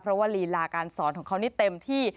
เพราะว่าลีลาการสอนของเขานี่เต็มที่